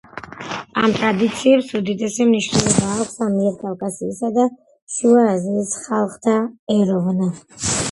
ამ ტრადიციებს უდიდესი მნიშვნელობა აქვს ამიერკავკასიისა და შუა აზიის ხალხთა ეროვნ.